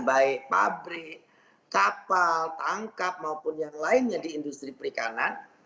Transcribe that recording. baik pabrik kapal tangkap maupun yang lainnya di industri perikanan